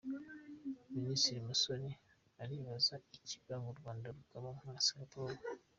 Minisitiri Musoni aribaza ikibura u Rwanda rukaba nka Singaporu